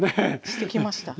してきました？